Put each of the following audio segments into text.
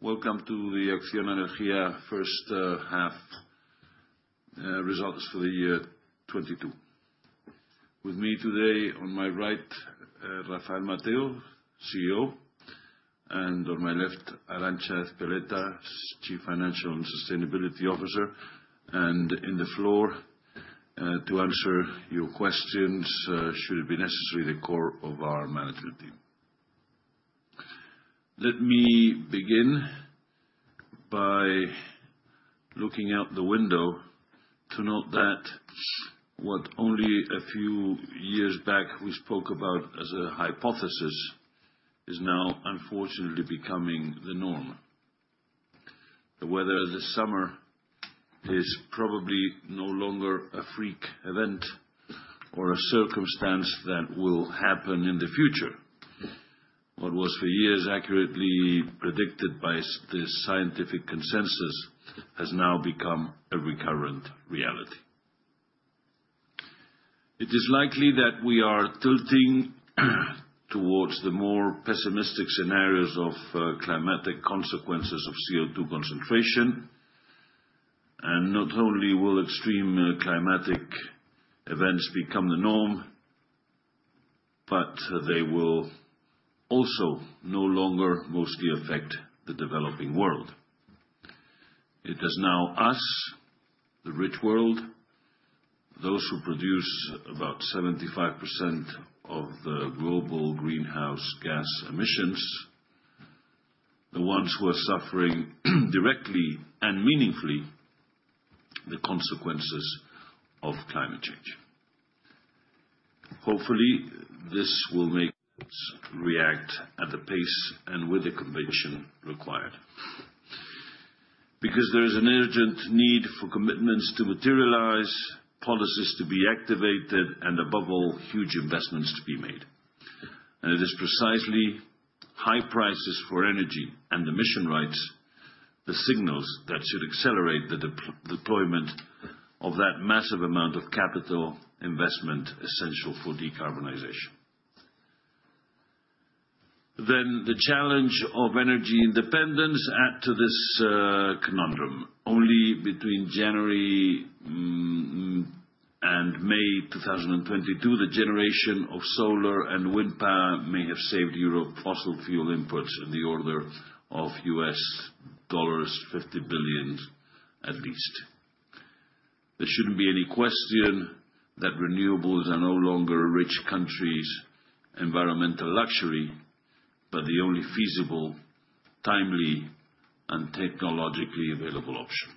Welcome to the Acciona Energía first half results for the year 2022. With me today on my right, Rafael Mateo, CEO, and on my left, Arantza Ezpeleta, Chief Financial and Sustainability Officer, and on the floor to answer your questions, should it be necessary, the core of our management team. Let me begin by looking out the window to note that what only a few years back we spoke about as a hypothesis is now unfortunately becoming the norm. The weather this summer is probably no longer a freak event or a circumstance that will happen in the future. What was for years accurately predicted by this scientific consensus has now become a recurrent reality. It is likely that we are tilting towards the more pessimistic scenarios of climatic consequences of CO₂ concentration. Not only will extreme climatic events become the norm, but they will also no longer mostly affect the developing world. It is now us, the rich world, those who produce about 75% of the global greenhouse gas emissions, the ones who are suffering directly and meaningfully the consequences of climate change. Hopefully, this will make us react at the pace and with the conviction required. Because there is an urgent need for commitments to materialize, policies to be activated, and above all, huge investments to be made. It is precisely high prices for energy and emission rights, the signals that should accelerate the deployment of that massive amount of capital investment essential for decarbonization. The challenge of energy independence add to this, conundrum. Only between January and May 2022, the generation of solar and wind power may have saved Europe fossil fuel imports in the order of $50 billion at least. There shouldn't be any question that renewables are no longer a rich country's environmental luxury, but the only feasible, timely, and technologically available option.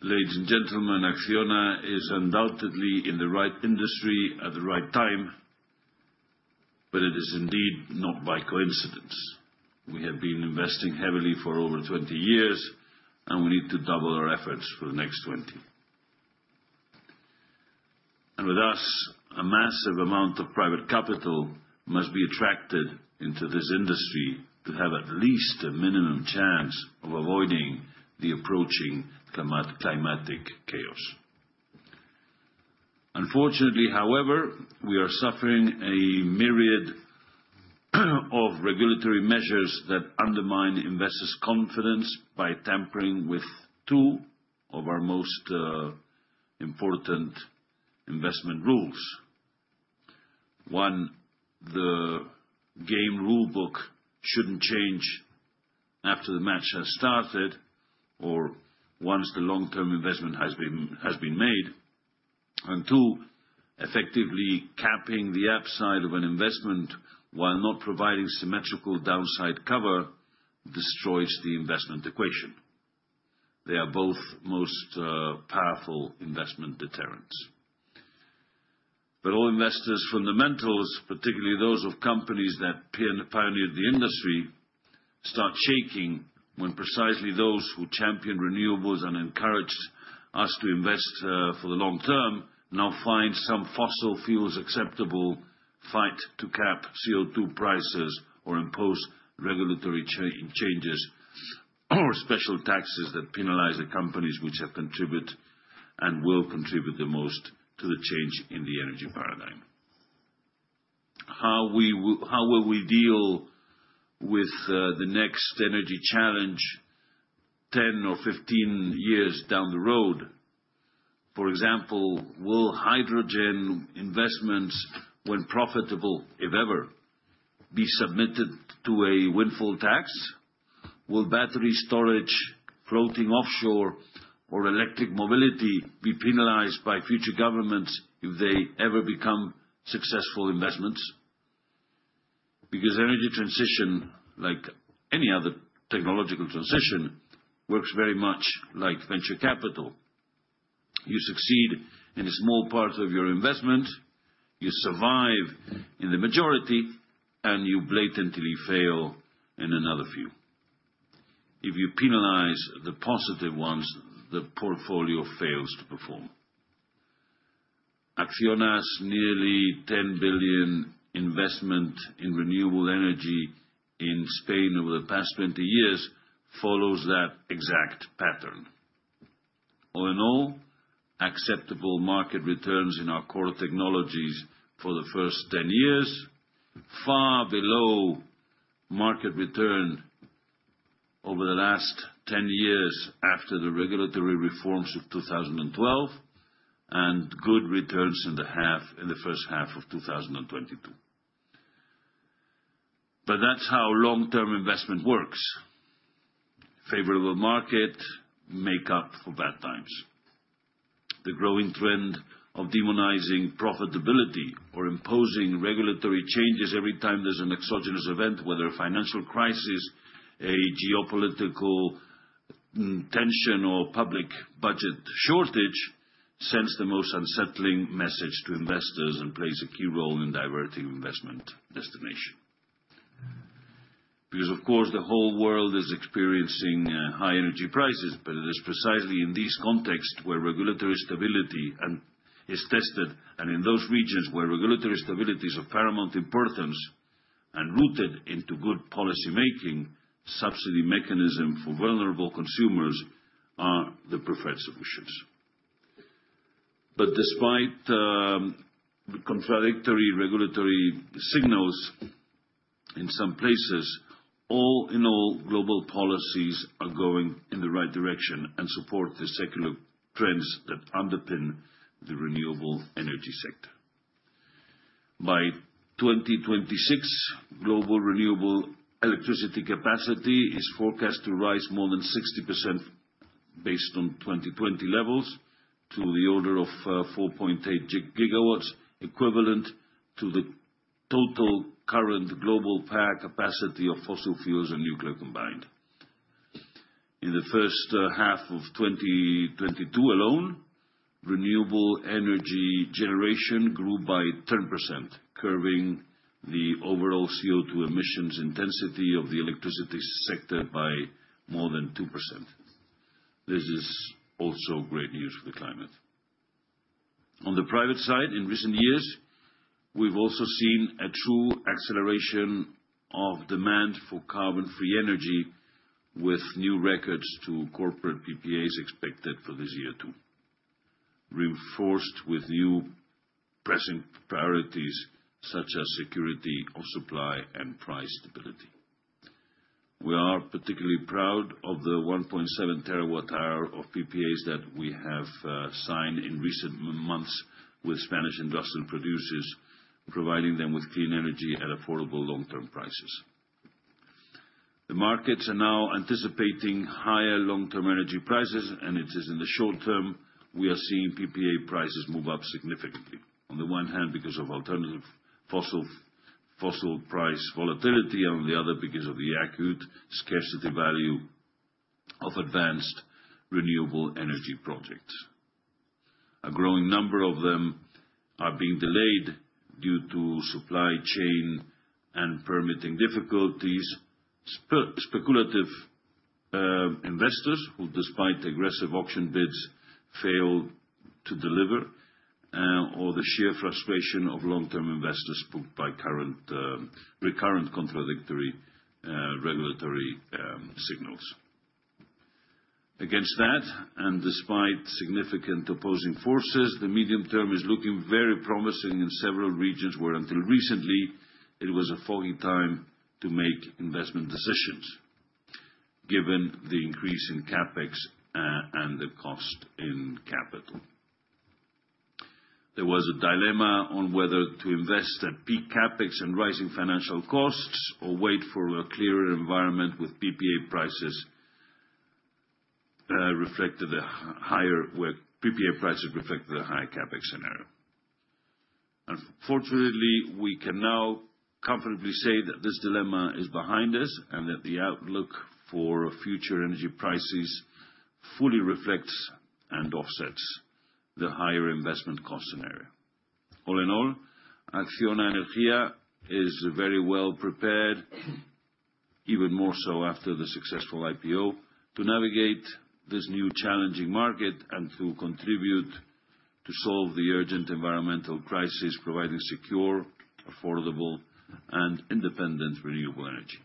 Ladies and gentlemen, Acciona is undoubtedly in the right industry at the right time, but it is indeed not by coincidence. We have been investing heavily for over 20 years, and we need to double our efforts for the next 20. With us, a massive amount of private capital must be attracted into this industry to have at least a minimum chance of avoiding the approaching climatic chaos. Unfortunately, however, we are suffering a myriad of regulatory measures that undermine investors' confidence by tampering with two of our most important investment rules. One, the game rule book shouldn't change after the match has started, or once the long-term investment has been made. Two, effectively capping the upside of an investment while not providing symmetrical downside cover destroys the investment equation. They are both most powerful investment deterrents. All investors' fundamentals, particularly those of companies that pioneered the industry, start shaking when precisely those who champion renewables and encourage us to invest for the long term now find some fossil fuels acceptable, fight to cap CO₂ prices, or impose regulatory changes or special taxes that penalize the companies which have contribute and will contribute the most to the change in the energy paradigm. How will we deal with the next energy challenge 10 or 15 years down the road? For example, will hydrogen investments, when profitable, if ever, be submitted to a windfall tax? Will battery storage, floating offshore, or electric mobility be penalized by future governments if they ever become successful investments? Because energy transition, like any other technological transition, works very much like venture capital. You succeed in a small part of your investment, you survive in the majority, and you blatantly fail in another few. If you penalize the positive ones, the portfolio fails to perform. Acciona's nearly 10 billion investment in renewable energy in Spain over the past 20 years follows that exact pattern. All in all, acceptable market returns in our core technologies for the first 10 years, far below market return over the last 10 years after the regulatory reforms of 2012, and good returns in the half, in the first half of 2022. That's how long-term investment works. Favorable markets make up for bad times. The growing trend of demonizing profitability or imposing regulatory changes every time there's an exogenous event, whether a financial crisis, a geopolitical tension, or public budget shortage, sends the most unsettling message to investors and plays a key role in diverting investment destination. Because of course, the whole world is experiencing high energy prices, but it is precisely in this context where regulatory stability is tested, and in those regions where regulatory stability is of paramount importance and rooted in good policymaking, subsidy mechanisms for vulnerable consumers are the preferred solutions. Despite contradictory regulatory signals in some places, all in all, global policies are going in the right direction and support the secular trends that underpin the renewable energy sector. By 2026, global renewable electricity capacity is forecast to rise more than 60% based on 2020 levels to the order of 4.8 GW, equivalent to the total current global power capacity of fossil fuels and nuclear combined. In the first half of 2022 alone, renewable energy generation grew by 10%, curbing the overall CO₂ emissions intensity of the electricity sector by more than 2%. This is also great news for the climate. On the private side, in recent years, we've also seen a true acceleration of demand for carbon-free energy with new records for corporate PPAs expected for this year too, reinforced with new pressing priorities such as security of supply and price stability. We are particularly proud of the 1.7 TWh of PPAs that we have signed in recent months with Spanish industrial producers, providing them with clean energy at affordable long-term prices. The markets are now anticipating higher long-term energy prices, and it is in the short term we are seeing PPA prices move up significantly. On the one hand, because of alternative fossil price volatility, on the other, because of the acute scarcity value of advanced renewable energy projects. A growing number of them are being delayed due to supply chain and permitting difficulties. Speculative investors who, despite aggressive auction bids, fail to deliver, or the sheer frustration of long-term investors spooked by current, recurrent contradictory, regulatory signals. Against that, and despite significant opposing forces, the medium term is looking very promising in several regions where until recently it was a foggy time to make investment decisions given the increase in CapEx, and the cost in capital. There was a dilemma on whether to invest at peak CapEx and rising financial costs or wait for a clearer environment where PPA prices reflected a higher CapEx scenario. Fortunately, we can now comfortably say that this dilemma is behind us and that the outlook for future energy prices fully reflects and offsets the higher investment cost scenario. All in all, Acciona Energía is very well prepared, even more so after the successful IPO, to navigate this new challenging market and to contribute to solve the urgent environmental crisis, providing secure, affordable, and independent renewable energy.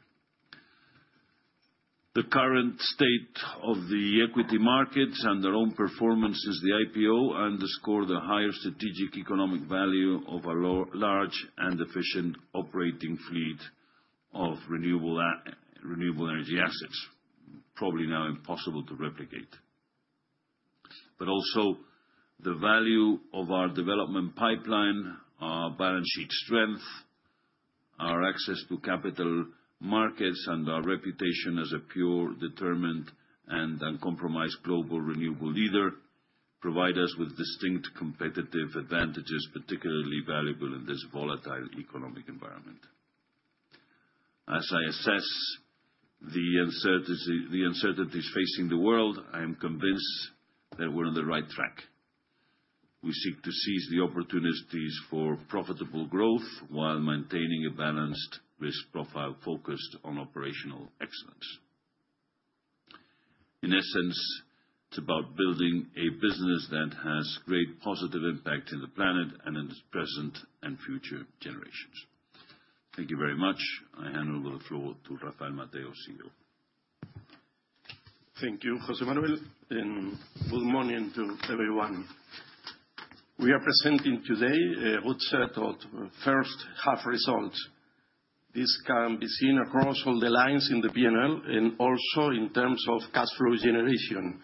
The current state of the equity markets and their own performance since the IPO underscore the higher strategic economic value of a large and efficient operating fleet of renewable energy assets, probably now impossible to replicate. Also the value of our development pipeline, our balance sheet strength, our access to capital markets, and our reputation as a pure, determined, and uncompromised global renewable leader provide us with distinct competitive advantages, particularly valuable in this volatile economic environment. As I assess the uncertainty, the uncertainties facing the world, I am convinced that we're on the right track. We seek to seize the opportunities for profitable growth while maintaining a balanced risk profile focused on operational excellence. In essence, it's about building a business that has great positive impact in the planet and in its present and future generations. Thank you very much. I hand over the floor to Rafael Mateo, CEO. Thank you, José Manuel, and good morning to everyone. We are presenting today good set of first half results. This can be seen across all the lines in the P&L and also in terms of cash flow generation,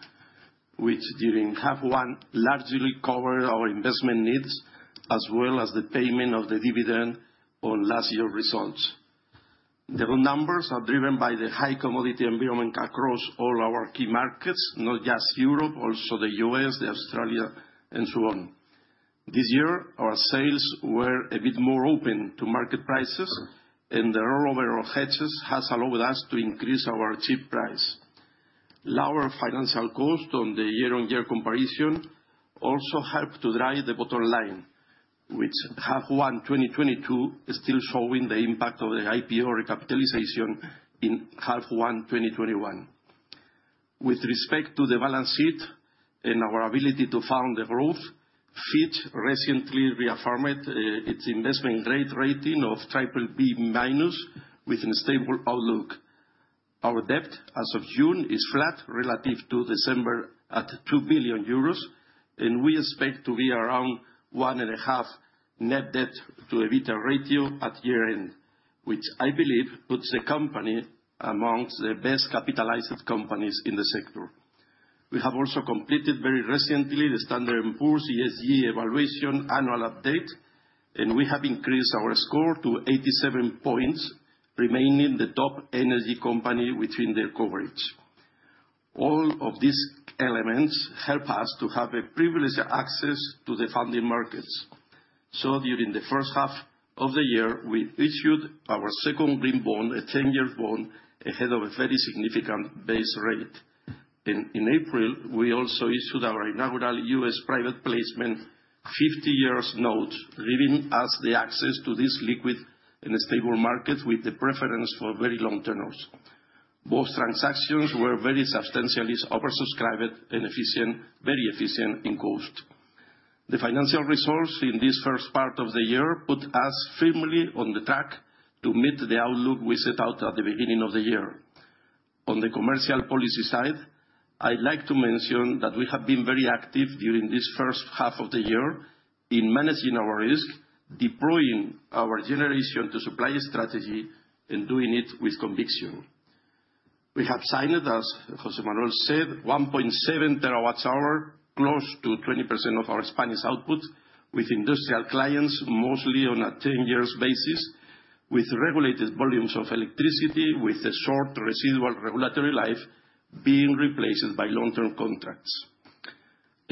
which during half one largely cover our investment needs, as well as the payment of the dividend on last year results. The numbers are driven by the high commodity environment across all our key markets, not just Europe, also the U.S., Australia and so on. This year, our sales were a bit more open to market prices, and the rollover of hedges has allowed us to increase our strip price. Lower financial cost on the year-on-year comparison also helped to drive the bottom line, which half one 2022 is still showing the impact of the IPO recapitalization in half one 2021. With respect to the balance sheet and our ability to fund the growth, Fitch Ratings recently reaffirmed its investment grade rating of triple B minus with a stable outlook. Our debt as of June is flat relative to December at 2 billion euros, and we expect to be around 1.5 net debt to EBITDA ratio at year-end, which I believe puts the company amongst the best capitalized companies in the sector. We have also completed very recently the Standard & Poor's ESG evaluation annual update, and we have increased our score to 87 points, remaining the top energy company within their coverage. All of these elements help us to have a privileged access to the funding markets. During the first half of the year, we issued our second green bond, a 10-year bond, ahead of a very significant base rate. In April, we also issued our inaugural U.S. private placement 50-year note, giving us the access to this liquid and stable market with the preference for very long tenors. Both transactions were very substantially oversubscribed and very efficient in cost. The financial resource in this first part of the year put us firmly on the track to meet the outlook we set out at the beginning of the year. On the commercial policy side, I'd like to mention that we have been very active during this first half of the year in managing our risk, deploying our generation to supply strategy, and doing it with conviction. We have signed, as José Manuel said, 1.7 TWh, close to 20% of our Spanish output, with industrial clients, mostly on a 10-year basis, with regulated volumes of electricity, with a short residual regulatory life being replaced by long-term contracts.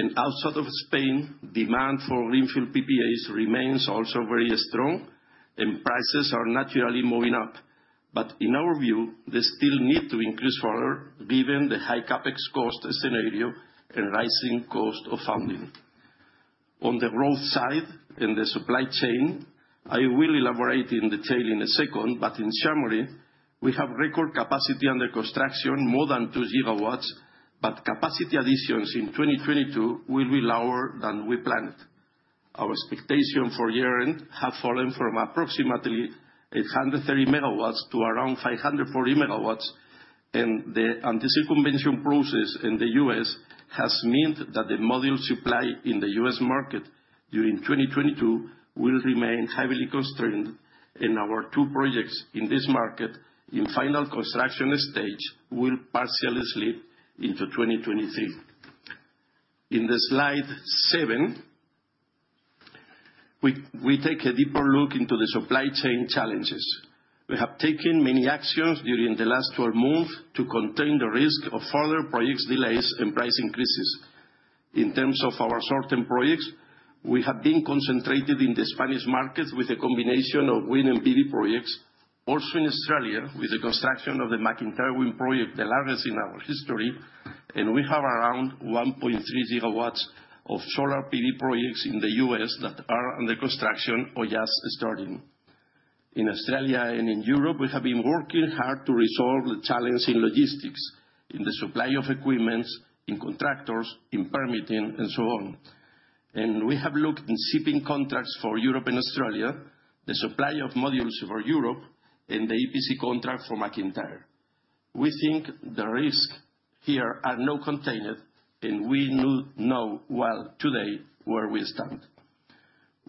Outside of Spain, demand for greenfield PPAs remains also very strong, and prices are naturally moving up. In our view, they still need to increase further given the high CapEx cost scenario and rising cost of funding. On the growth side, in the supply chain, I will elaborate in detail in a second, but in summary, we have record capacity under construction, more than 2 GW, but capacity additions in 2022 will be lower than we planned. Our expectation for year-end have fallen from approximately 830 megawatts to around 540 megawatts, and the anti-circumvention process in the U.S. has meant that the module supply in the U.S. market during 2022 will remain heavily constrained. Our two projects in this market in final construction stage will partially slip into 2023. In slide seven, we take a deeper look into the supply chain challenges. We have taken many actions during the last 12 months to contain the risk of further projects delays and price increases. In terms of our current projects, we have been concentrated in the Spanish markets with a combination of wind and PV projects, also in Australia, with the construction of the McIntyre Wind project, the largest in our history. We have around 1.3 GW of solar PV projects in the U.S. that are under construction or just starting. In Australia and in Europe, we have been working hard to resolve the challenge in logistics, in the supply of equipment, in contractors, in permitting, and so on. We have looked into shipping contracts for Europe and Australia, the supply of modules for Europe and the EPC contract for McIntyre. We think the risk here are now contained, and we know well today where we stand.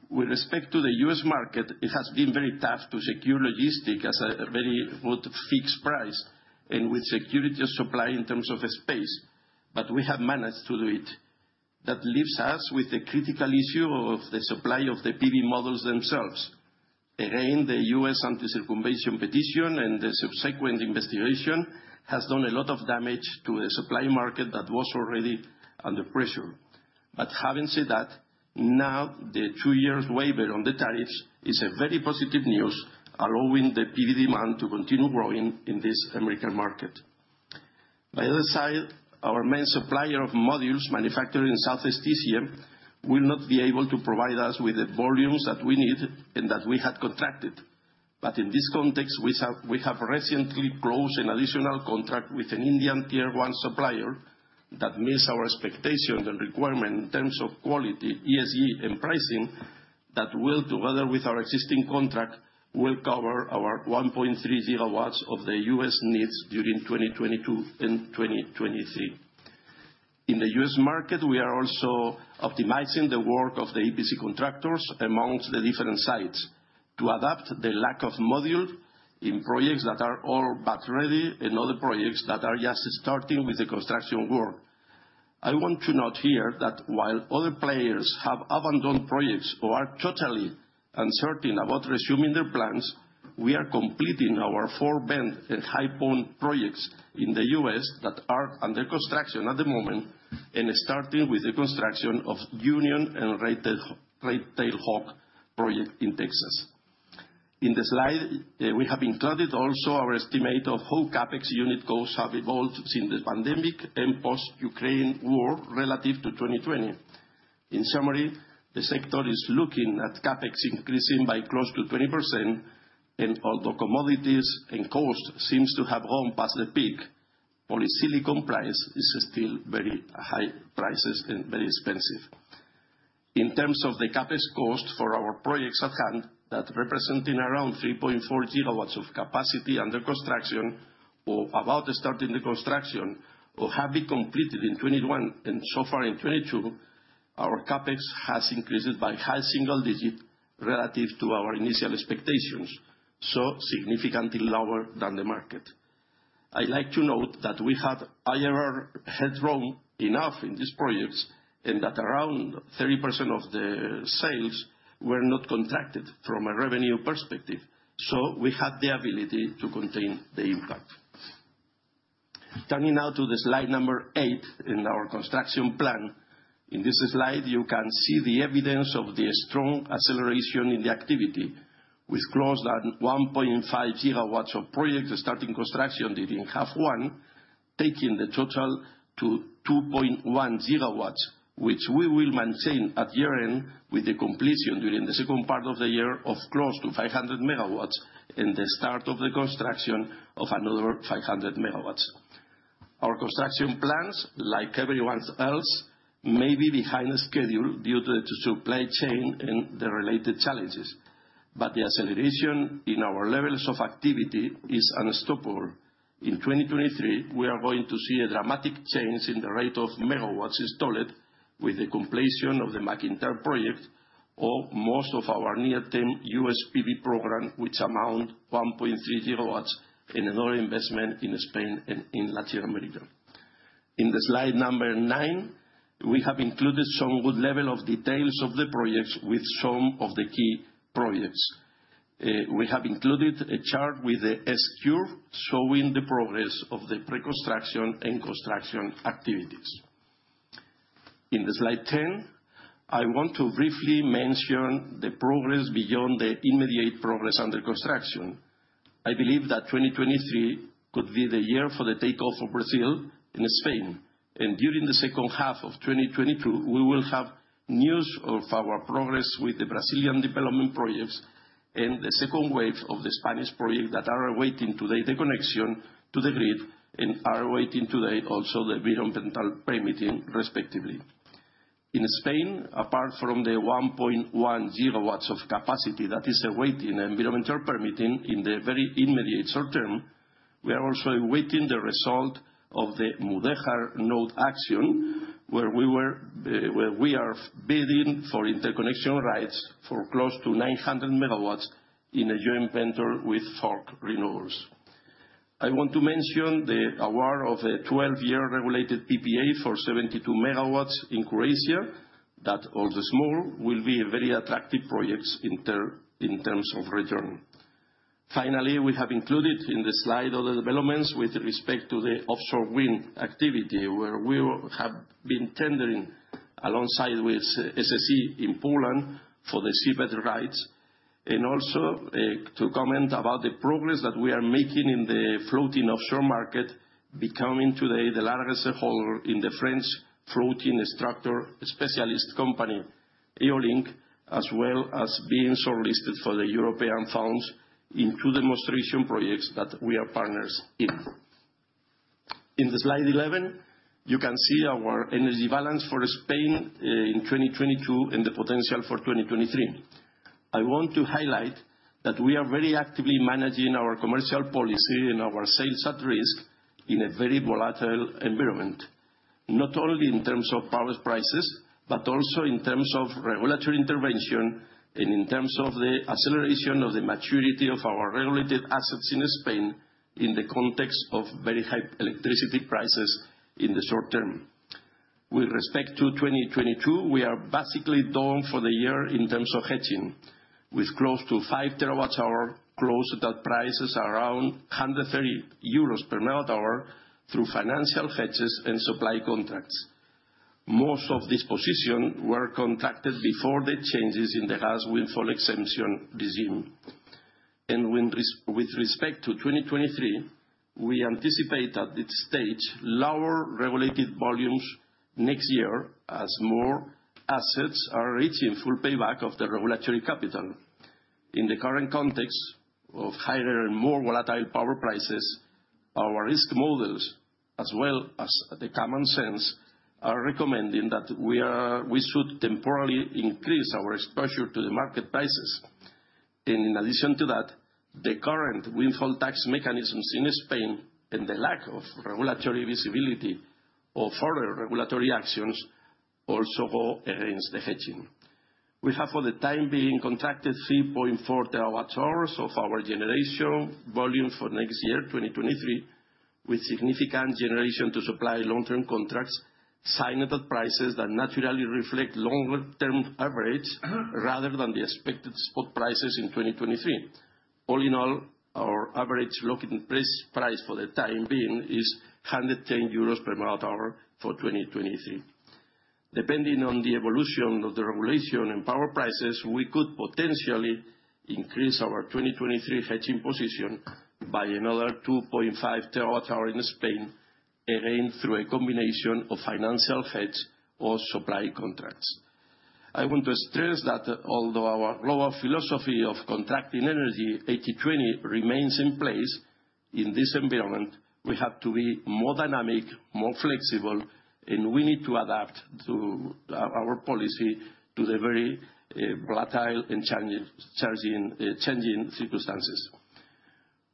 With respect to the U.S. market, it has been very tough to secure logistics at a very fixed price and secure supply in terms of speed, but we have managed to do it. That leaves us with the critical issue of the supply of the PV modules themselves. Again, the U.S. anti-circumvention petition and the subsequent investigation has done a lot of damage to the supply market that was already under pressure. Having said that, now the 2-year waiver on the tariffs is a very positive news, allowing the PV demand to continue growing in this American market. On the other side, our main supplier of modules manufactured in Southeast Asia will not be able to provide us with the volumes that we need and that we had contracted. In this context, we have recently closed an additional contract with an Indian tier-one supplier. That meets our expectation and requirement in terms of quality, ESG, and pricing that will, together with our existing contract, cover our 1.3 GW of the U.S. needs during 2022 and 2023. In the US market, we are also optimizing the work of the EPC contractors among the different sites to adapt the lack of module in projects that are all but ready and other projects that are just starting with the construction work. I want to note here that while other players have abandoned projects or are totally uncertain about resuming their plans, we are completing our Fort Bend and High Point projects in the U.S. that are under construction at the moment, and starting with the construction of Union and Red Tail Hawk project in Texas. In the slide, we have included also our estimate of how CapEx unit costs have evolved since the pandemic and post-Ukraine war relative to 2020. In summary, the sector is looking at CapEx increasing by close to 20%, and although commodities and cost seem to have gone past the peak, polysilicon price is still very high prices and very expensive. In terms of the CapEx cost for our projects at hand, that's representing around 3.4 GW of capacity under construction or about starting the construction or have been completed in 2021 and so far in 2022, our CapEx has increased by high single digits relative to our initial expectations, so significantly lower than the market. I like to note that we have IRR headroom enough in these projects, and that around 30% of the sales were not contracted from a revenue perspective, so we have the ability to contain the impact. Turning now to slide number 8 in our construction plan. In this slide, you can see the evidence of the strong acceleration in the activity with close to 1.5 GW of projects starting construction during the first half, taking the total to 2.1 GW, which we will maintain at year-end with the completion during the second half of the year of close to 500 MW and the start of the construction of another 500 MW. Our construction plans, like everyone else, may be behind schedule due to the supply chain and the related challenges, but the acceleration in our levels of activity is unstoppable. In 2023, we are going to see a dramatic change in the rate of megawatts installed with the completion of the McIntyre project and most of our near-term U.S. PV program, which amounts to 1.3 GW in another investment in Spain and in Latin America. In the slide number nine, we have included some good level of details of the projects with some of the key projects. We have included a chart with the S-curve showing the progress of the preconstruction and construction activities. In the slide 10, I want to briefly mention the progress beyond the immediate progress under construction. I believe that 2023 could be the year for the takeoff of Brazil and Spain. During the second half of 2022, we will have news of our progress with the Brazilian development projects and the second wave of the Spanish projects that are awaiting today the connection to the grid and are awaiting today also the environmental permitting, respectively. In Spain, apart from the 1.1 GW of capacity that is awaiting environmental permitting in the very immediate short term, we are also awaiting the result of the Mudéjar node auction, where we are bidding for interconnection rights for close to 900 MW in a joint venture with Falck Renewables. I want to mention the award of the 12-year regulated PPA for 72 MW in Croatia. That, although small, will be a very attractive project in terms of return. Finally, we have included in the slide other developments with respect to the offshore wind activity, where we have been tendering alongside with SSE in Poland for the seabed rights. To comment about the progress that we are making in the floating offshore market, becoming today the largest holder in the French floating structure specialist company, Eolink, as well as being shortlisted for the European funds in two demonstration projects that we are partners in. In the slide 11, you can see our energy balance for Spain, in 2022 and the potential for 2023. I want to highlight that we are very actively managing our commercial policy and our sales at risk in a very volatile environment. Not only in terms of power prices, but also in terms of regulatory intervention and in terms of the acceleration of the maturity of our regulated assets in Spain in the context of very high electricity prices in the short term. With respect to 2022, we are basically done for the year in terms of hedging, with close to 5 TWh closed at prices around 130 EUR/MWh through financial hedges and supply contracts. Most of this position were contracted before the changes in the gas windfall exemption regime. With respect to 2023, we anticipate at this stage lower regulated volumes next year as more assets are reaching full payback of the regulatory capital. In the current context of higher and more volatile power prices, our risk models, as well as the common sense, are recommending that we should temporarily increase our exposure to the market prices. In addition to that, the current windfall tax mechanisms in Spain and the lack of regulatory visibility or further regulatory actions also go against the hedging. We have, for the time being, contracted 3.4 TWh of our generation volume for next year, 2023, with significant generation to supply long-term contracts signed at prices that naturally reflect longer-term average rather than the expected spot prices in 2023. All in all, our average locking price for the time being is 110 euros per Wh for 2023. Depending on the evolution of the regulation and power prices, we could potentially increase our 2023 hedging position by another 2.5 TWh in Spain, again, through a combination of financial hedge or supply contracts. I want to stress that although our core philosophy of contracting energy 80/20 remains in place, in this environment, we have to be more dynamic, more flexible, and we need to adapt to our policy to the very volatile and challenging changing circumstances.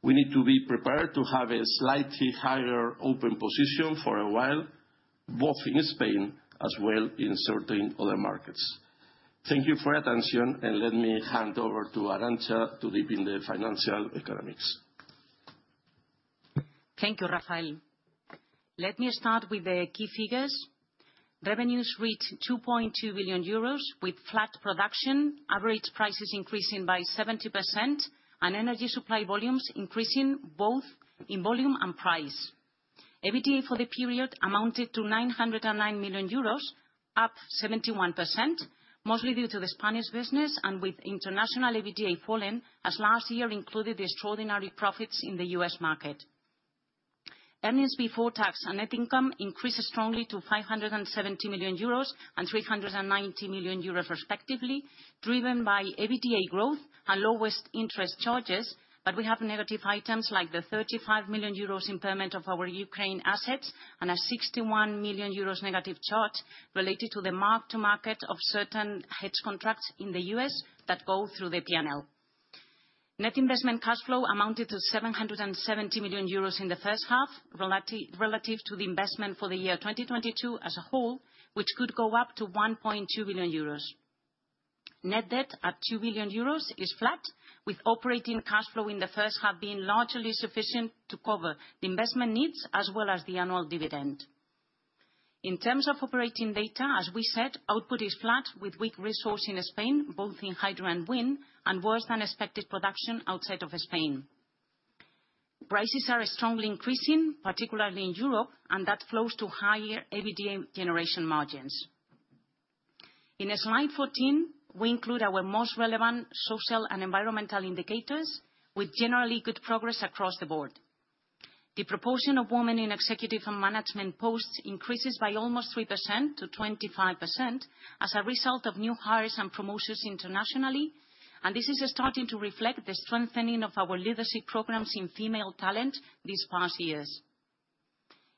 We need to be prepared to have a slightly higher open position for a while, both in Spain as well in certain other markets. Thank you for your attention, and let me hand over to Arantza to deepen the financial economics. Thank you, Rafael. Let me start with the key figures. Revenues reached 2.2 billion euros with flat production, average prices increasing by 70%, and energy supply volumes increasing both in volume and price. EBITDA for the period amounted to 909 million euros, up 71%, mostly due to the Spanish business and with international EBITDA falling, as last year included extraordinary profits in the U.S. market. Earnings before tax and net income increased strongly to 570 million euros and 390 million euros respectively, driven by EBITDA growth and lower interest charges. We have negative items like the 35 million euros impairment of our Ukraine assets and a 61 million euros negative charge related to the mark to market of certain hedge contracts in the U.S. that go through the P&L. Net investment cash flow amounted to 770 million euros in the first half, relative to the investment for the year 2022 as a whole, which could go up to 1.2 billion euros. Net debt at 2 billion euros is flat, with operating cash flow in the first half being largely sufficient to cover the investment needs as well as the annual dividend. In terms of operating data, as we said, output is flat with weak resource in Spain, both in hydro and wind, and worse than expected production outside of Spain. Prices are strongly increasing, particularly in Europe, and that flows to higher EBITDA generation margins. In slide 14, we include our most relevant social and environmental indicators with generally good progress across the board. The proportion of women in executive and management posts increases by almost 3% to 25% as a result of new hires and promotions internationally. This is starting to reflect the strengthening of our leadership programs in female talent these past years.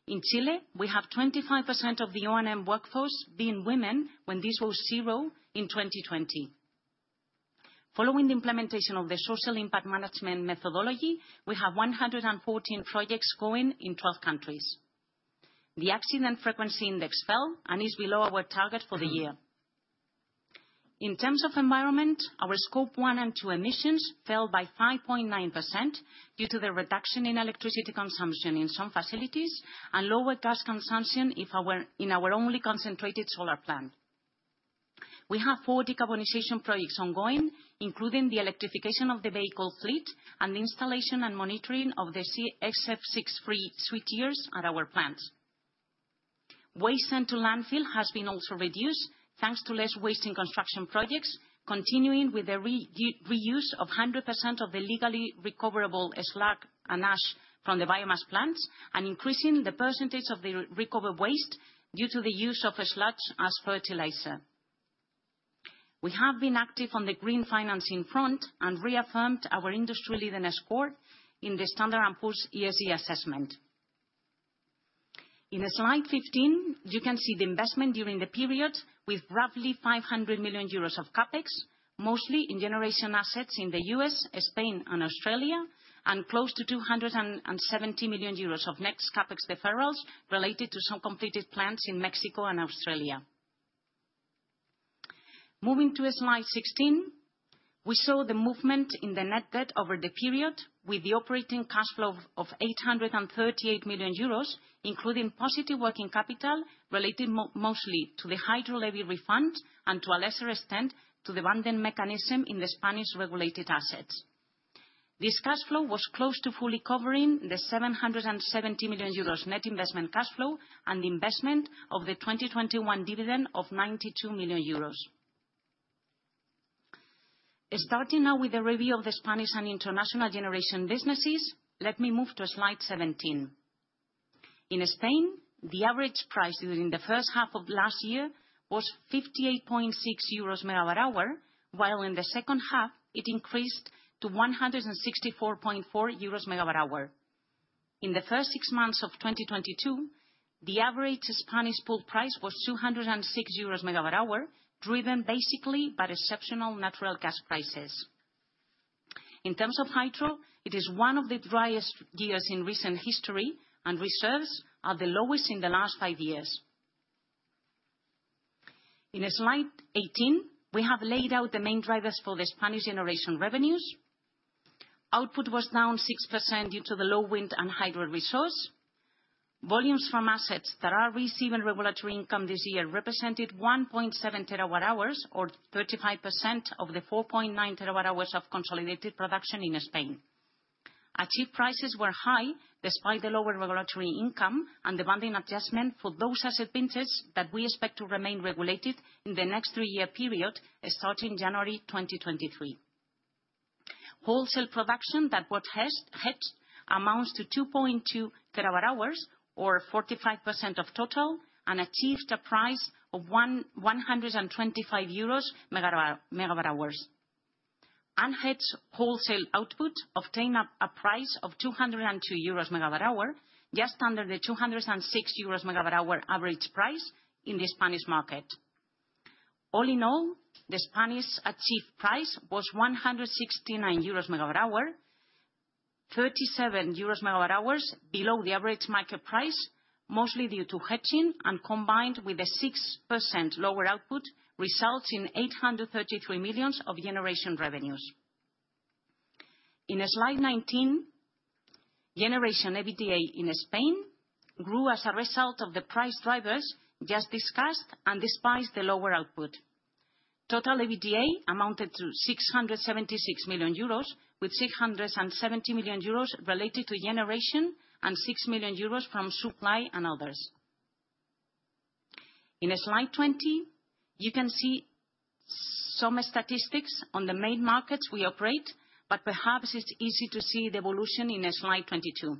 In Chile, we have 25% of the O&M workforce being women, when this was zero in 2020. Following the implementation of the social impact management methodology, we have 114 projects going in 12 countries. The accident frequency index fell and is below our target for the year. In terms of environment, our Scope 1 and 2 emissions fell by 5.9% due to the reduction in electricity consumption in some facilities and lower gas consumption in our only concentrated solar plant. We have 4 decarbonization projects ongoing, including the electrification of the vehicle fleet and installation and monitoring of the SF6-free switchgears at our plants. Waste sent to landfill has also been reduced thanks to less waste in construction projects, continuing with the reuse of 100% of the legally recoverable slag and ash from the biomass plants, and increasing the percentage of the recovered waste due to the use of the sludge as fertilizer. We have been active on the green financing front and reaffirmed our industry-leading score in the Standard & Poor's ESG assessment. In slide 15, you can see the investment during the period with roughly 500 million euros of CapEx, mostly in generation assets in the US, Spain and Australia, and close to 270 million euros of next CapEx deferrals related to some completed plants in Mexico and Australia. Moving to slide 16, we saw the movement in the net debt over the period with the operating cash flow of 838 million euros, including positive working capital related mostly to the hydro levy refunds and, to a lesser extent, to the banding mechanism in the Spanish regulated assets. This cash flow was close to fully covering the 770 million euros net investment cash flow and investment of the 2021 dividend of 92 million euros. Starting now with the review of the Spanish and international generation businesses, let me move to slide 17. In Spain, the average price during the first half of last year was 58.6 euros MWh, while in the second half, it increased to 164.4 euros MWh. In the first six months of 2022, the average Spanish pool price was 206 euros/MWh, driven basically by exceptional natural gas prices. In terms of hydro, it is one of the driest years in recent history, and reserves are the lowest in the last five years. In slide 18, we have laid out the main drivers for the Spanish generation revenues. Output was down 6% due to the low wind and hydro resource. Volumes from assets that are receiving regulatory income this year represented 1.7 TWh or 35% of the 4.9 TWh of consolidated production in Spain. Achieved prices were high despite the lower regulatory income and the banding adjustment for those asset ventures that we expect to remain regulated in the next three-year period, starting January 2023. Wholesale production that was hedged amounts to 2.2 TWh or 45% of total, and achieved a price of 125 euros/MWh. Unhedged wholesale output obtained a price of 202 euros/MWh, just under the 206 euros/MWh average price in the Spanish market. All in all, the Spanish achieved price was EUR 169/MWh, EUR 37/MWh below the average market price, mostly due to hedging and combined with the 6% lower output, results in 833 million of generation revenues. In slide 19, generation EBITDA in Spain grew as a result of the price drivers just discussed and despite the lower output. Total EBITDA amounted to 676 million euros, with 670 million euros related to generation and 6 million euros from supply and others. In slide 20, you can see some statistics on the main markets we operate, but perhaps it's easy to see the evolution in slide 22.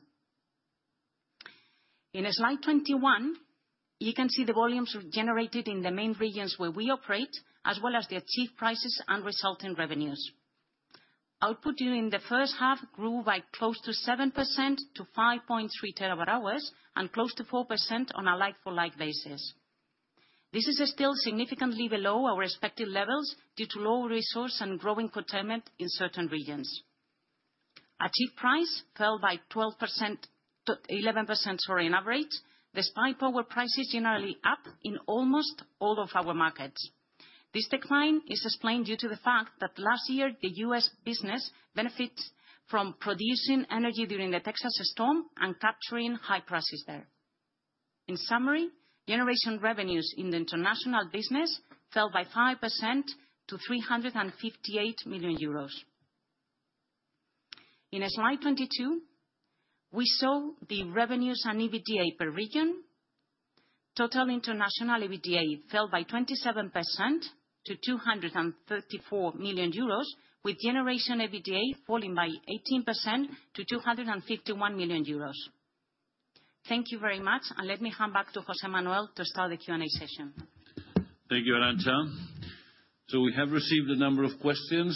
In slide 21, you can see the volumes generated in the main regions where we operate, as well as the achieved prices and resulting revenues. Output during the first half grew by close to 7% to 5.3 TWh and close to 4% on a like-for-like basis. This is still significantly below our expected levels due to low resource and growing curtailment in certain regions. Achieved price fell by 12% to 11%, sorry, on average, despite power prices generally up in almost all of our markets. This decline is explained due to the fact that last year, the U.S. business benefit from producing energy during the Texas storm and capturing high prices there. In summary, generation revenues in the international business fell by 5% to 358 million euros. In slide 22, we saw the revenues and EBITDA per region. Total international EBITDA fell by 27% to 234 million euros, with generation EBITDA falling by 18% to 251 million euros. Thank you very much, and let me hand back to José Manuel to start the Q&A session. Thank you, Arancha. We have received a number of questions,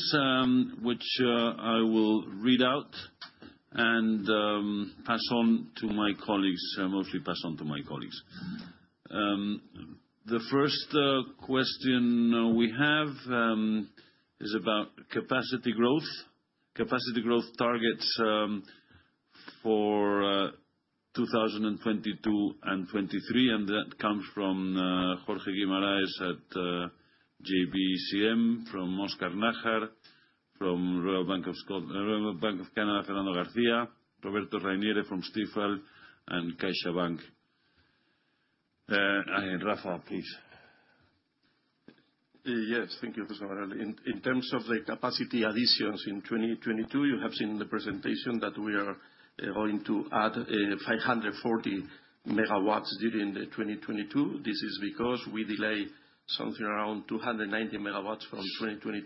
which I will read out and pass on to my colleagues. The first question we have is about capacity growth targets for 2022 and 2023, and that comes from Jorge Guimarães at JB Capital Markets, from Oscar Nájar, from Royal Bank of Canada, Fernando García, Roberto Ranieri from Stifel, and CaixaBank. Rafael, please. Yes. Thank you, José Manuel. In terms of the capacity additions in 2022, you have seen the presentation that we are going to add 540 MW during 2022. This is because we delay something around 290 MW from 2022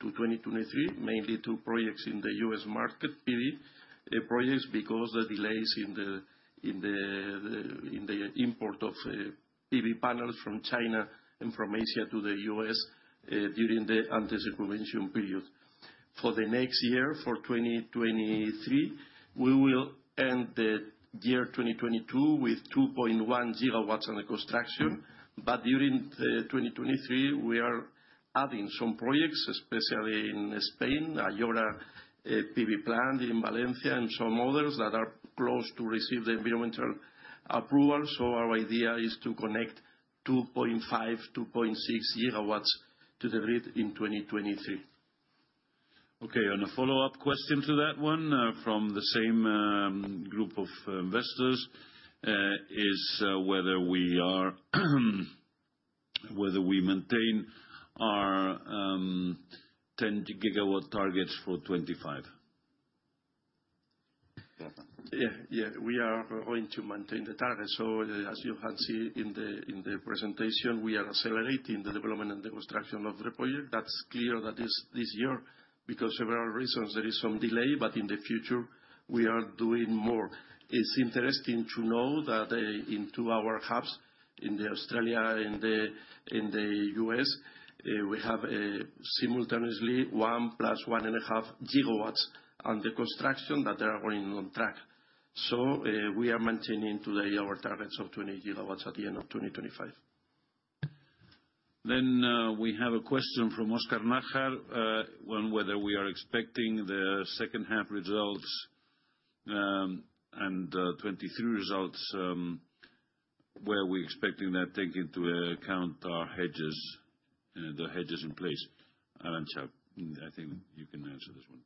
to 2023, mainly to projects in the U.S. market PV projects because the delays in the import of PV panels from China and from Asia to the U.S. during the anti-circumvention period. For the next year, for 2023, we will end 2022 with 2.1 GW under construction, but during 2023, we are adding some projects, especially in Spain, Ayora PV plant in Valencia and some others that are close to receive the environmental approval. Our idea is to connect 2.5-2.6 GW to the grid in 2023. A follow-up question to that one from the same group of investors is whether we maintain our 10 GW targets for 2025. Yeah, yeah, we are going to maintain the target. As you can see in the presentation, we are accelerating the development and demonstration of the project. That's clear that is this year because several reasons, there is some delay, but in the future, we are doing more. It's interesting to know that in two of our hubs, in Australia and in the U.S., we have simultaneously 1 + 1.5 GW under construction that are going on track. We are maintaining today our targets of 20 GW at the end of 2025. We have a question from Oscar Nájar on whether we are expecting the second half results and 2023 results, what we're expecting takes into account our hedges, the hedges in place. Arantza, I think you can answer this one.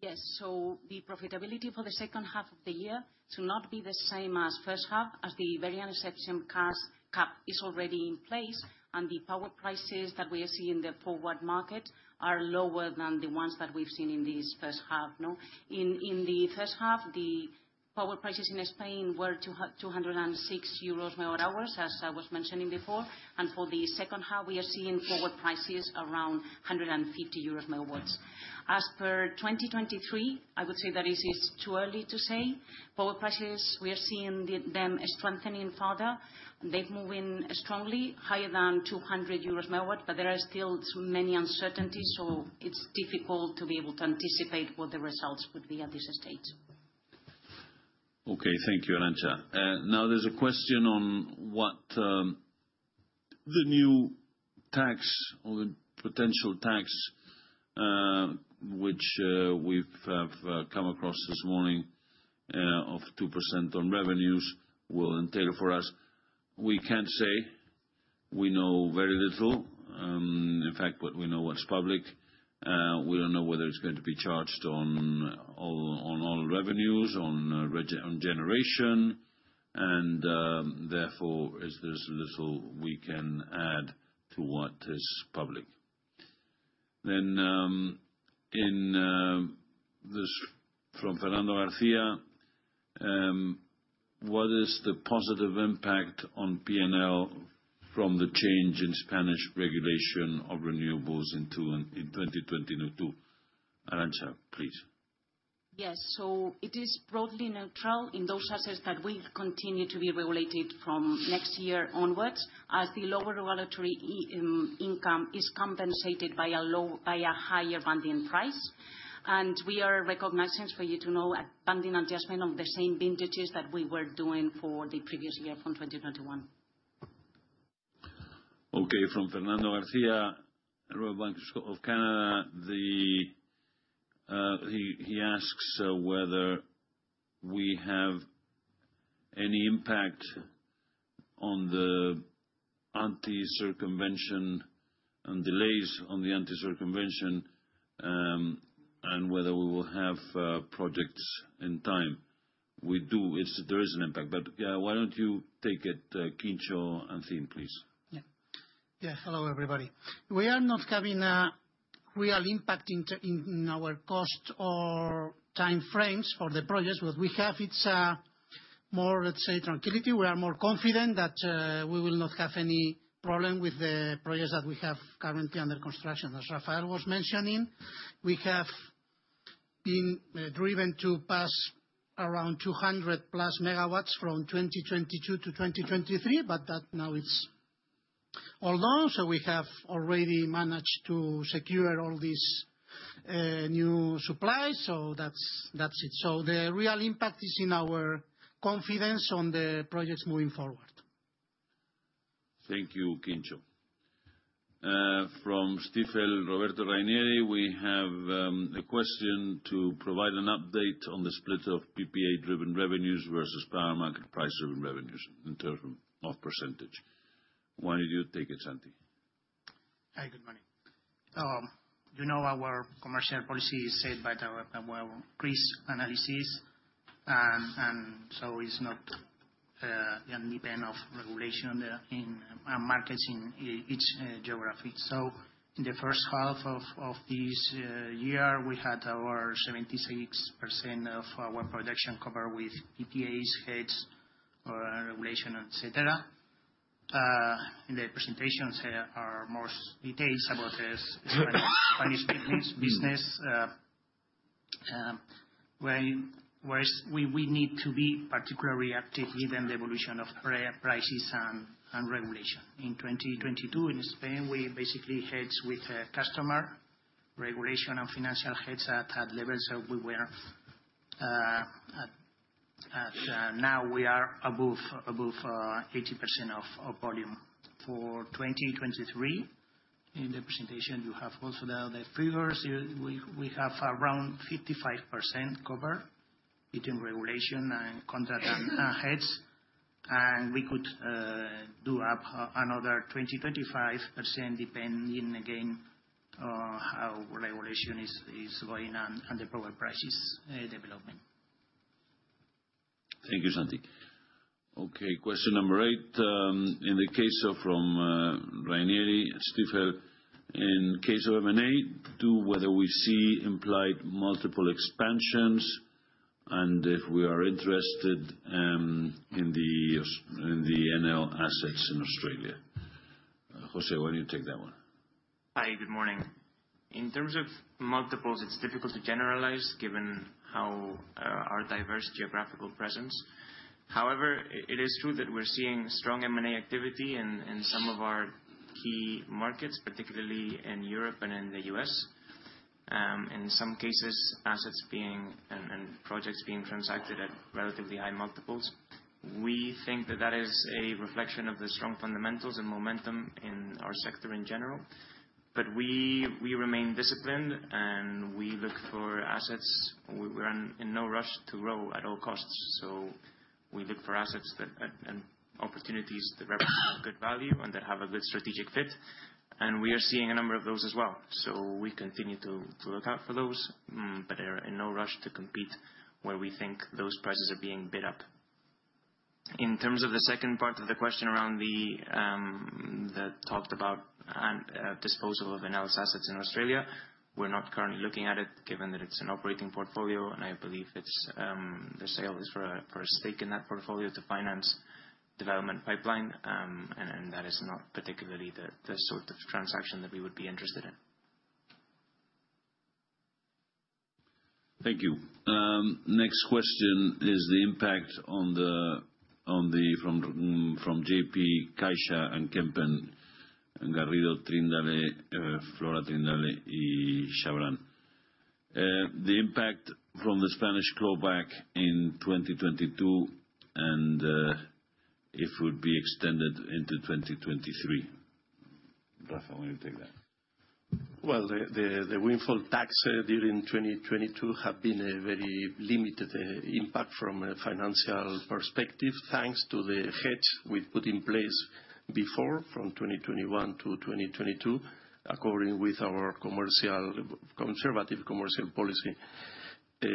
Yes. The profitability for the second half of the year to not be the same as first half as the Iberian exception cost cap is already in place, and the power prices that we are seeing in the forward market are lower than the ones that we've seen in this first half, no? In the first half, the power prices in Spain were 206 EUR/MWh, as I was mentioning before. For the second half, we are seeing forward prices around 150 EUR/MWh. As per 2023, I would say that it is too early to say. Power prices, we are seeing them strengthening further. They're moving strongly higher than 200 EUR/MWh, but there are still too many uncertainties, so it's difficult to be able to anticipate what the results would be at this stage. Okay. Thank you, Arantza. Now there's a question on what the new tax or the potential tax, which we've come across this morning, of 2% on revenues will entail for us. We can't say. We know very little. In fact, what we know is what's public. We don't know whether it's going to be charged on all revenues, on generation, and therefore, there's little we can add to what is public. And this from Fernando García, what is the positive impact on P&L from the change in Spanish regulation of renewables in 2022? Arantza, please. Yes. It is broadly neutral in those assets that will continue to be regulated from next year onwards, as the lower regulatory income is compensated by a higher banding price. We are recognizing for you to know a banding adjustment of the same vintages that we were doing for the previous year from 2021. Okay. From Fernando García, Royal Bank of Canada, he asks whether we have any impact on the anti-circumvention and delays on the anti-circumvention, and whether we will have projects in time. We do. There is an impact. Yeah, why don't you take it, Enrique Pérez-Plá and team, please? Yeah. Hello, everybody. We are not having a real impact in our cost or timeframes for the projects. What we have is more, let's say, tranquility. We are more confident that we will not have any problem with the projects that we have currently under construction. As Rafael was mentioning, we have been driven to postpone around 200+ MW from 2022 to 2023, but that now is all done, so we have already managed to secure all these new supplies. That's it. The real impact is in our confidence on the projects moving forward. Thank you, Enrique. From Stifel, Roberto Ranieri, we have a question to provide an update on the split of PPA-driven revenues versus power market price-driven revenues in terms of percentage. Why don't you take it, Santi? Hi, good morning. You know our commercial policy is set by our risk analysis, and so it's not independent of regulation in and markets in each geography. In the first half of this year, we had 76% of our production covered with PPAs, hedges, or regulation, etc. In the presentation, there are more details about the Spanish business, whereas we need to be particularly active given the evolution of prices and regulation. In 2022, in Spain, we basically hedged with customers, regulation and financial hedges at levels that we were. Now we are above 80% of volume. For 2023, in the presentation, you have also the figures. We have around 55% cover between regulation and contract hedges. We could top up another 20-25%, depending again on how regulation is going and the power prices development. Thank you, Santi. Okay, question number eight from Roberto Ranieri, Stifel. In case of M&A, whether we see implied multiple expansions and if we are interested in the Enel assets in Australia. José, why don't you take that one? Hi, good morning. In terms of multiples, it's difficult to generalize given how our diverse geographical presence. However, it is true that we're seeing strong M&A activity in some of our key markets, particularly in Europe and in the U.S. In some cases, assets and projects being transacted at relatively high multiples. We think that is a reflection of the strong fundamentals and momentum in our sector in general. We remain disciplined, and we look for assets. We're in no rush to grow at all costs. We look for assets and opportunities that represent good value and that have a good strategic fit, and we are seeing a number of those as well. We continue to look out for those, but are in no rush to compete where we think those prices are being bid up. In terms of the second part of the question that talked about a disposal of Enel’s assets in Australia, we're not currently looking at it, given that it's an operating portfolio, and I believe it's the sale is for a stake in that portfolio to finance development pipeline. That is not particularly the sort of transaction that we would be interested in. Thank you. Next question is the impact from J.P., Caixa, and Kempen, and Garrido, Trindade, Flora Trindade, y Chavarrón. The impact from the Spanish clawback in 2022 and if it would be extended into 2023. Rafa, why don't you take that? Well, the windfall tax during 2022 have been a very limited impact from a financial perspective, thanks to the hedge we put in place before, from 2021 to 2022, according to our conservative commercial policy.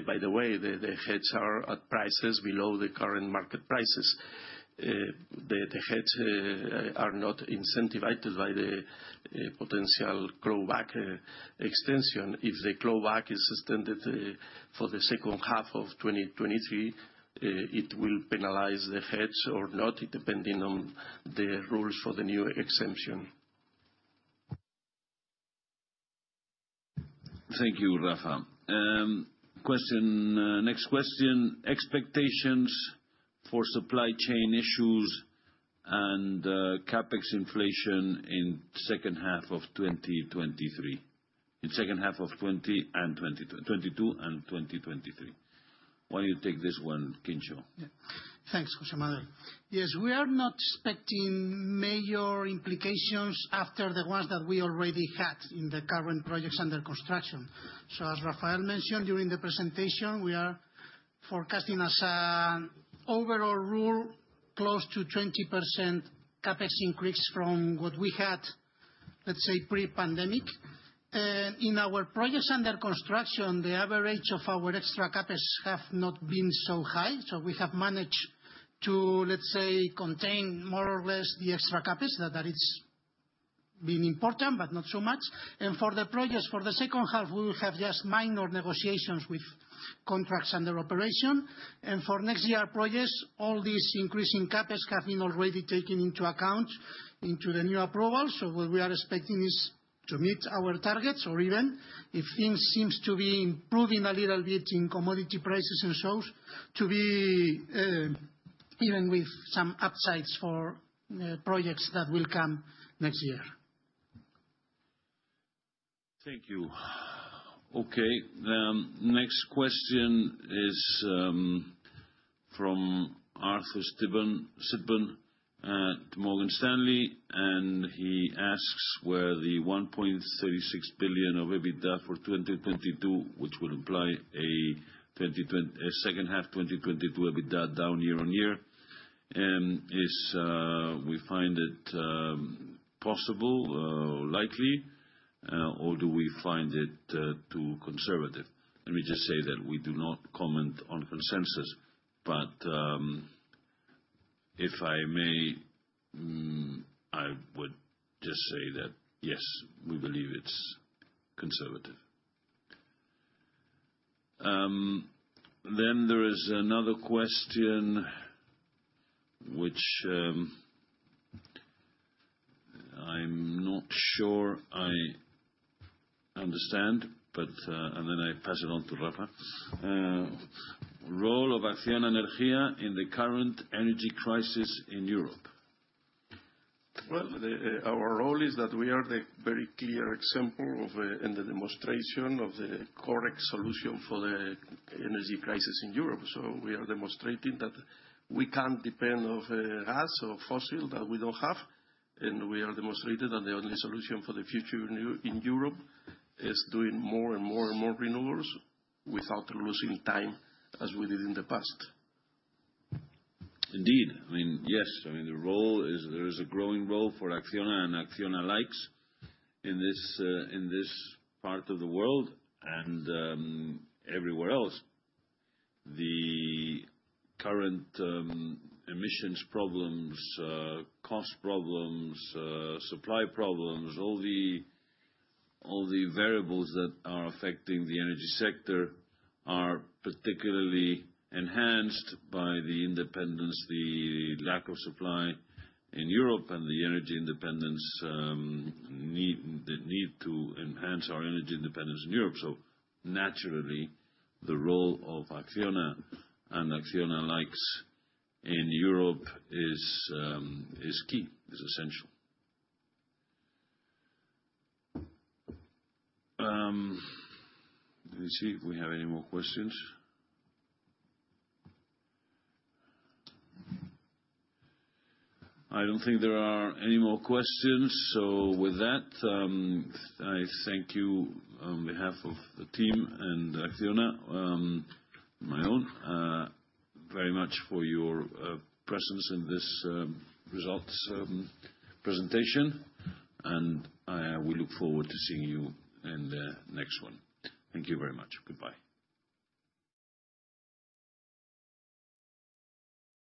By the way, the hedge are at prices below the current market prices. The hedge are not incentivized by the potential clawback extension. If the clawback is extended for the second half of 2023, it will penalize the hedge or not, depending on the rules for the new exemption. Thank you, Rafa. Question, next question, expectations for supply chain issues and CapEx inflation in second half of 2023. In second half of 2022 and 2023. Why don't you take this one, Enrique Pérez-Plá? Yeah. Thanks, José Manuel. Yes, we are not expecting major implications after the ones that we already had in the current projects under construction. As Rafael mentioned during the presentation, we are forecasting as an overall rule, close to 20% CapEx increase from what we had, let's say, pre-pandemic. In our projects under construction, the average of our extra CapEx have not been so high. We have managed to, let's say, contain more or less the extra CapEx. That is been important, but not so much. For the projects for the second half, we will have just minor negotiations with contracts under operation. For next year projects, all these increasing CapEx have been already taken into account into the new approvals. What we are expecting is to meet our targets or even, if things seems to be improving a little bit in commodity prices and so, to be even with some upsides for projects that will come next year. Thank you. Okay, next question is from Arthur Sitbon at Morgan Stanley, and he asks: Whether the 1.36 billion of EBITDA for 2022, which would imply a second half 2022 EBITDA down year-over-year, is possible or likely, or do we find it too conservative? Let me just say that we do not comment on consensus. If I may, I would just say that, yes, we believe it's conservative. There is another question which I'm not sure I understand, but then I pass it on to Rafa. Role of Acciona Energía in the current energy crisis in Europe? Well, our role is that we are the very clear example of and the demonstration of the correct solution for the energy crisis in Europe. We are demonstrating that we can't depend on gas or fossil fuels that we don't have, and we are demonstrating that the only solution for the future in Europe is doing more and more and more renewables without losing time as we did in the past. Indeed. Yes, I mean, there is a growing role for Acciona and Acciona likes in this part of the world and everywhere else. The current emissions problems, cost problems, supply problems, all the variables that are affecting the energy sector are particularly enhanced by the independence, the lack of supply in Europe and the energy independence need, the need to enhance our energy independence in Europe. Naturally, the role of Acciona and Acciona likes in Europe is key, is essential. Let me see if we have any more questions. I don't think there are any more questions. With that, I thank you on behalf of the team and Acciona, my own, very much for your presence in this results presentation, and we look forward to seeing you in the next one. Thank you very much. Goodbye.